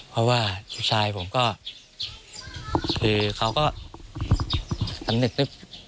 เพราะว่าลูกชายผมก็คือเขาก็สำนึก